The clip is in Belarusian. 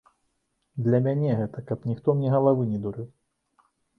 Для мяне гэта, каб ніхто мне галавы не дурыў.